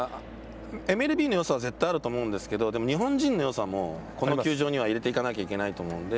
ＭＬＢのよさは絶対あると思うんですけれども、でも、日本人のよさもこの球場には入れていかないといけないと思うので。